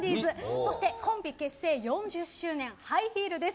そしてコンビ結成４０周年ハイヒールです。